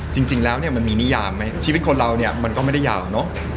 จริงแล้วเนี่ยมันมีนิยามไหมชีวิตคนเราเนี่ยมันก็ไม่ได้ยาวเนอะ